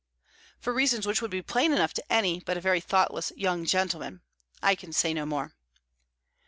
"For reasons which would be plain enough to any but a very thoughtless young gentleman. I can say no more."